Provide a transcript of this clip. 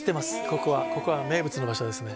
ここはここは名物の場所ですね